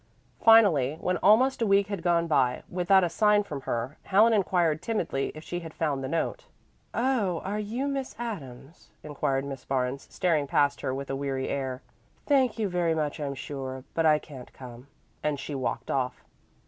Finally, when almost a week had gone by without a sign from her, Helen inquired timidly if she had found the note. "Oh, are you Miss Adams?" inquired Miss Barnes, staring past her with a weary air. "Thank you very much I'm sure, but I can't come," and she walked off.